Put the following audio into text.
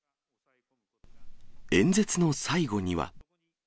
演説の最後には。